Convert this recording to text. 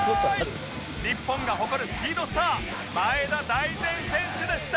日本が誇るスピードスター前田大然選手でした！